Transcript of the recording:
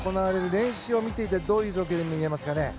練習を見ていてどういう状況に見えますか。